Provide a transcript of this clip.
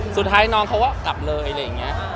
สุดท้ายน้องเขาก็แบบกลับเลย